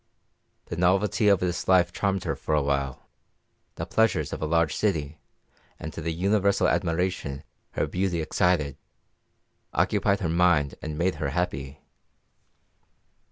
The novelty of this life charmed her for a time; the pleasures of a large city, and the universal admiration her beauty excited, occupied her mind and made her happy.